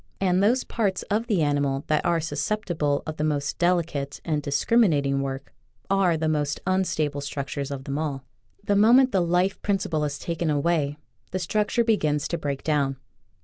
And those parts of the animal that are susceptible of the most delicate and discriminating work are the most unstable structures of them all. The moment the life principle is taken away the structure begins to break down.